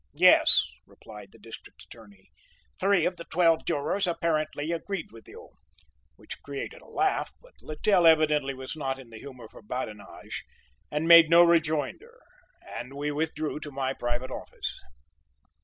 "Yes," replied the District Attorney, "three of the twelve jurors apparently agreed with you," which created a laugh, but Littell evidently was not in the humor for badinage and made no rejoinder, and we withdrew to my private office.